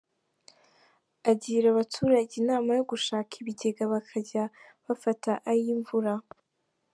Agira abaturage inama yo gushaka ibigega bakajya bafata ay’imvura.